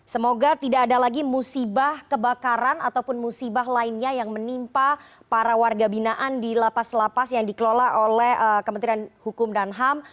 semoga tidak ada lagi musibah kebakaran ataupun musibah lainnya yang menimpa para warga binaan di lapas lapas yang dikelola oleh kementerian hukum dan ham